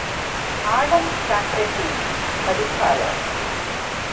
Adam Socrates பதிப்பாளர்